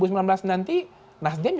nasdelm juga akan menangani